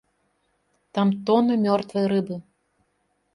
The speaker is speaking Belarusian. Там тоны мёртвай рыбы.